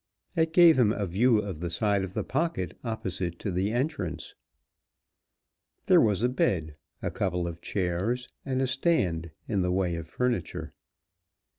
It gave him a view of the side of the pocket opposite to the entrance. There was a bed, a couple of chairs, and a stand, in the way of furniture.